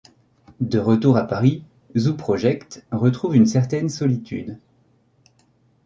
De retour à Paris, Zoo Project retrouve une certaine solitude.